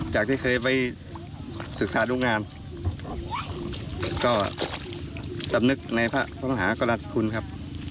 จากที่เคยไปศึกษาดูงานก็สำนึกในพระมหากราชคุณครับ